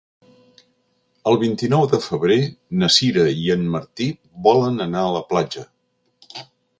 El vint-i-nou de febrer na Sira i en Martí volen anar a la platja.